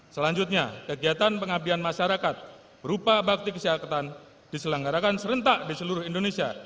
selanjutnya kegiatan pengabdian masyarakat berupa bakti kesehatan diselenggarakan serentak di seluruh indonesia